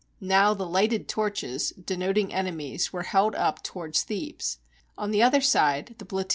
Now the lighted torches, denoting enemies, were held up towards Thebes. On the other side, the Plata?